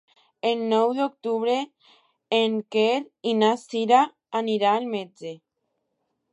El nou d'octubre en Quer i na Cira aniran al metge.